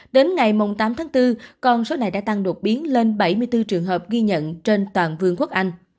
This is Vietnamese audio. đến ngày tám tháng bốn con số này đã tăng đột biến lên bảy mươi bốn trường hợp ghi nhận trên toàn vương quốc anh